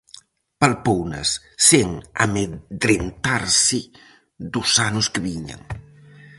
Palpounas sen amedrentarse dos anos que viñan.